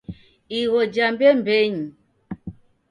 Igho ja mbembenyi